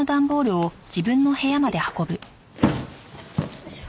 よいしょ。